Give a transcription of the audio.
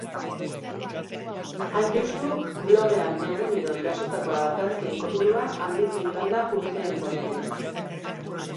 Hain justu, blogean egunero jasotako argazkien kopurua handitzen joan da urteen poderioz.